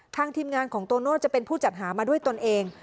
ทีมงานของโตโน่จะเป็นผู้จัดหามาด้วยตนเอง